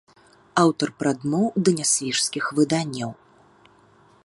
Аўтар прадмоў да нясвіжскіх выданняў.